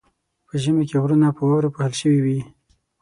په ژمي کې غرونه په واورو پوښل شوي وي.